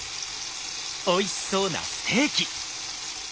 おいしそうなステーキ？